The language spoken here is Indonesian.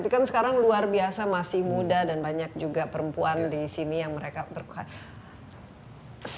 tapi kan sekarang luar biasa masih muda dan banyak juga perempuan di sini yang mereka berkualitas